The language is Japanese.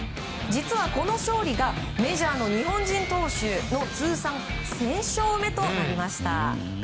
実は、この勝利がメジャーの日本人投手の通算１０００勝目となりました。